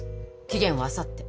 期限はあさって。